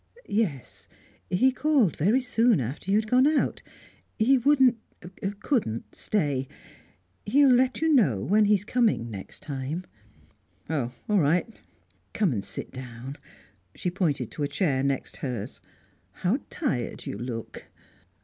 "Yes. He called very soon after you had gone out. He wouldn't couldn't stay. He'll let you know when he is coming next time." "Oh, all right." "Come and sit down." She pointed to a chair next hers. "How tired you look!"